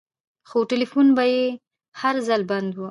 خو ټېلفون به يې هر ځل بند و.